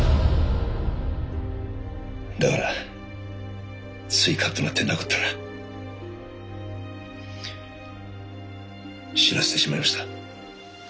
だからついカッとなって殴ったら死なせてしまいました。